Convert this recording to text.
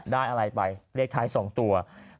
ได้อะไรไปเลขท้าย๒ตัว